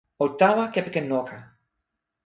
o tawa kepeken noka.